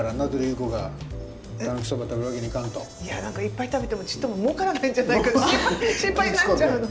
いや何かいっぱい食べてもちっとももうからないんじゃないかと心配になっちゃうの。